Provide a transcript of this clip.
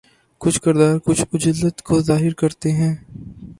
کچھ کردار کچھ عجلت کو ظاہر کرتے ہیں